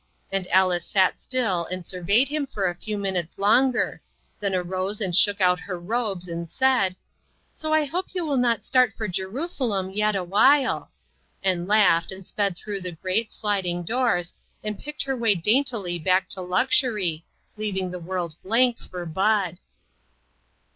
And Alice sat still and surveyed him for a few minutes longer, then arose and shook out her robes, and said, " So I hope you 284 INTERRUPTED. will not start for Jerusalem yet awhile," and laughed, and sped through the great, sliding doors, and picked her way daintily back to luxury, leaving the world blank for Bud.